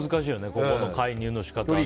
ここの介入の仕方ね。